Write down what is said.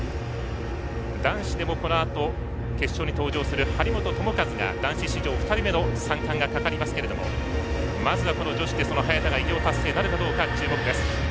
男子でも、このあと決勝に登場する張本智和が男子史上２人目の三冠がかかりますけれどもまずは女子で早田がその偉業、達成なるかどうか注目です。